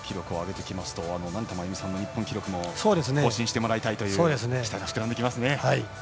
成田真由美さんの日本記録も更新してもらいたいという期待も膨らんできますね。